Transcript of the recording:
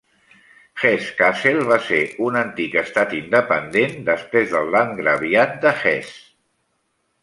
Hesse-Kassel va ser un antic estat independent després del Landgraviat de Hesse.